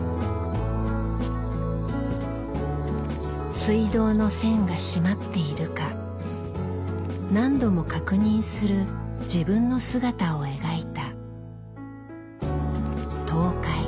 水道の栓が閉まっているか何度も確認する自分の姿を描いた「韜晦」。